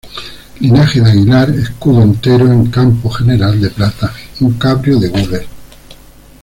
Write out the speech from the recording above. Linaje de Aguilar: Escudo entero en campo general de plata, un cabrio de gules.